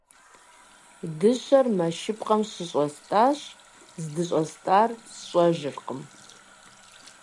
Дыщэр мэшыпкъэм щыщӏэстӏащ, здыщӏэстӏар сщӏэжыркъым.